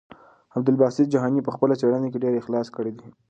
عبدالباسط جهاني په خپله څېړنه کې ډېر اخلاص کړی دی.